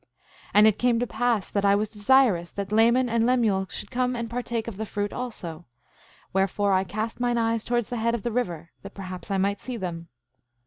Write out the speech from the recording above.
8:17 And it came to pass that I was desirous that Laman and Lemuel should come and partake of the fruit also; wherefore, I cast mine eyes towards the head of the river, that perhaps I might see them.